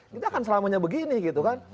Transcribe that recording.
kita akan selamanya begini gitu kan